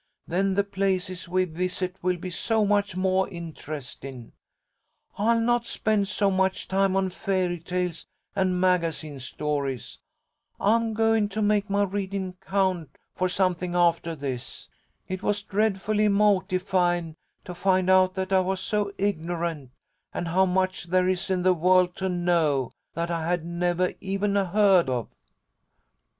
Then the places we visit will be so much moah interestin'. I'll not spend so much time on fairy tales and magazine stories. I'm goin' to make my reading count for something aftah this. It was dreadfully mawtifyin' to find out that I was so ignorant, and how much there is in the world to know, that I had nevah even heard of."